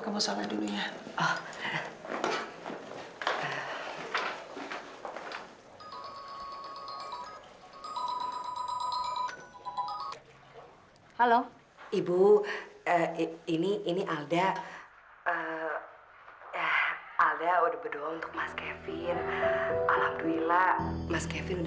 kondisi tuan kevin belum pulih benar